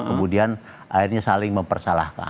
kemudian akhirnya saling mempersalahkan